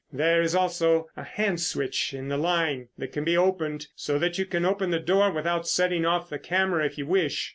There is also a hand switch in the line that can be opened so that you can open the door without setting off the camera, if you wish.